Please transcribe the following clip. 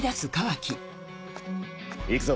行くぞ。